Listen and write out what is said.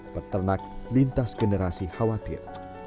pertanak lintas generasi khawatir